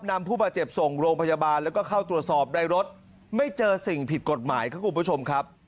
นำผู้บาดเจ็บส่งโรงพยาบาลแล้วก็เข้าตรวจสอบในรถไม่เจอสิ่งผิดกฎหมายครับคุณผู้ชมครับ